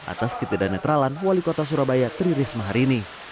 atas ketidaknetralan wali kota surabaya tririsma hari ini